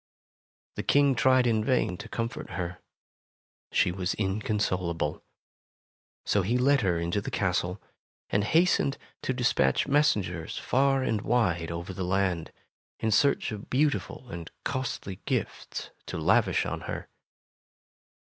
The King tried in vain to comfort her; she was inconsolable. So he led her into the castle, and hastened to despatch mes sengers far and wide over the land, in search of beautiful and costly gifts to lavish on her.